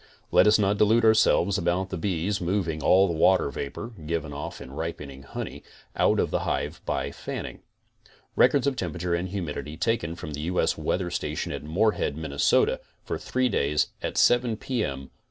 Let us not delude ourselves about the bees moving all the water vapor, given off in ripening honey, out of the hive by fanning. Records of temperature and humidity taken from the U. S. CONSTRUCTIVE BEEKEEPING 21 Weather Station at Moorhead, Minnesota, for three days at 7 P. M.